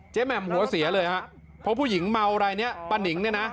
แหม่มหัวเสียเลยฮะเพราะผู้หญิงเมารายเนี้ยป้านิงเนี่ยนะ